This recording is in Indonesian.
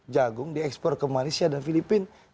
jagung diekspor ke malaysia dan filipina